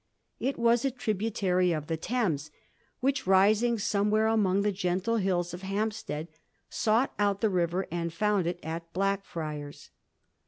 It was a tributary of the Thames which, rising somewhere among the gentle hills of Hampstead, sought out the river and found it at Blackfriars.